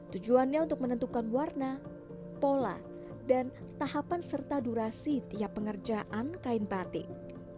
tujuannya untuk menentukan warna pola dan tahapan serta durasi tiap pengerjaan kain batik